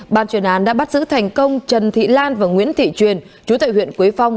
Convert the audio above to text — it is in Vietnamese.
ban chuyên án đã bắt giữ thành công trần thị lan và nguyễn thị truyền chú tại huyện quế phong